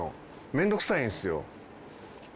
面倒くさいんですよ。